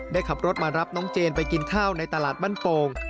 ขับรถมารับน้องเจนไปกินข้าวในตลาดมั่นโป่ง